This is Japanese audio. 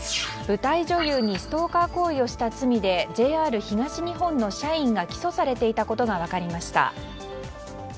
舞台女優にストーカー行為をした罪でＪＲ東日本の社員が起訴されていたことが分かりました。